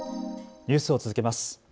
ニュースを続けます。